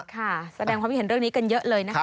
แสดงความคิดเห็นเรื่องนี้กันเยอะเลยนะคะ